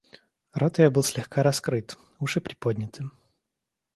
Рот ее был слегка раскрыт, уши приподняты.